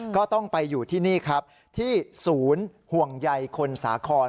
ก็ต้องไปอยู่ที่นี่ครับที่ศูนย์ห่วงใยคนสาคร